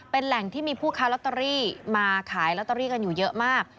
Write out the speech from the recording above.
เป็นแหล่งที่มีผู้ค้าลอตเตอรี่มาขายลอตเตอรี่กันอยู่เยอะมาก